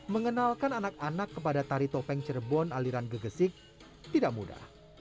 mengenalkan anak anak kepada tari topeng cirebon aliran gegesik tidak mudah